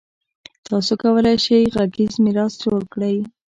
تاسو کولای شئ غږیز میراث جوړ کړئ.